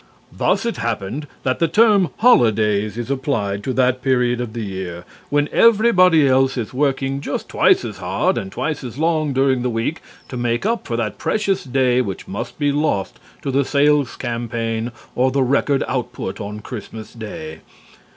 Thus it happened that the term "holidays" is applied to that period of the year when everybody else is working just twice as hard and twice as long during the week to make up for that precious day which must be lost to the Sales Campaign or the Record Output on Christmas Day.